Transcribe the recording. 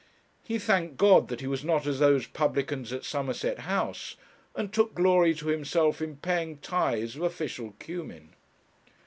He thanked God that he was not as those publicans at Somerset House, and took glory to himself in paying tithes of official cumin.